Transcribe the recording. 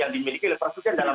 yang dimiliki persusian dalam